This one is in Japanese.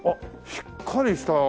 しっかりした。